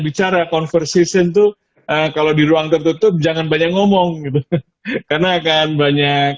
bicara conversation tuh kalau di ruang tertutup jangan banyak ngomong gitu karena akan banyak